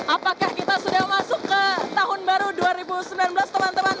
apakah kita sudah masuk ke tahun baru dua ribu sembilan belas teman teman